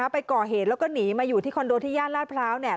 ไปก่อเหตุแล้วก็หนีมาอยู่ที่คอนโดที่ย่านลาดพร้าว